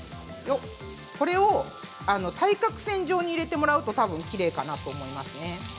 これを対角線上に入れていただくときれいかなと思いますね。